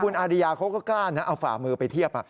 คุณอาริยาเขาก็กล้านะเอาฝ่ามือไปเทียบ